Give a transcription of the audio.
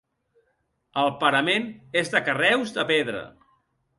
El parament és de carreus de pedra.